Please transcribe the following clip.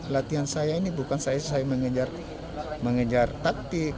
latihan saya ini bukan saya mengejar taktik